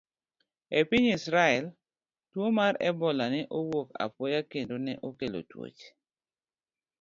E piny Israel, tuwo mar Ebola ne owuok apoya kendo ne okelo tuoche.